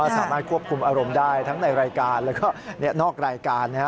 สามารถควบคุมอารมณ์ได้ทั้งในรายการแล้วก็นอกรายการ